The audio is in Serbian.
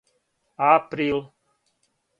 април